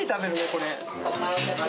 これ。